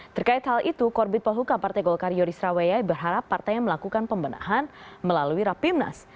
terkait hal itu korbit polhuka partai golkar yoris rawayai berharap partai melakukan pembenahan melalui rapimnas